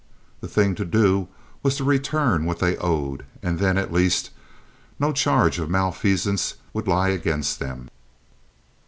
The thing to do was to return what they owed, and then, at least, no charge of malfeasance would lie against them.